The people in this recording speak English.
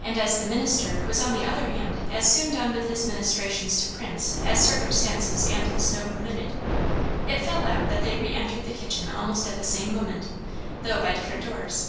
And as the minister was on the other hand as soon done with his ministrations to Prince as circumstances and the snow permitted, it fell out that they re entered the kitchen almost at the same moment, though by different doors.